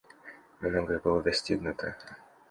Многое было достигнуто.